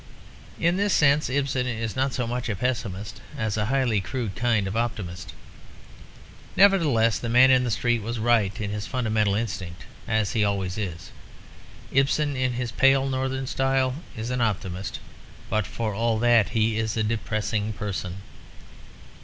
In this sense Ibsen is not so much a pessimist as a highly crude kind of optimist. Nevertheless the man in the street was right in his fundamental instinct, as he always is. Ibsen, in his pale northern style, is an optimist; but for all that he is a depressing person.